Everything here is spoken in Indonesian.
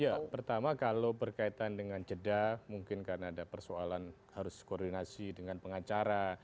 ya pertama kalau berkaitan dengan jeda mungkin karena ada persoalan harus koordinasi dengan pengacara